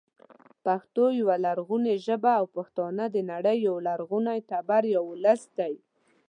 پښتو يوه لرغونې ژبه او پښتانه د نړۍ یو لرغونی تبر یا ولس دی